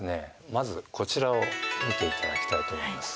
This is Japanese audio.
まずこちらを見ていただきたいと思います。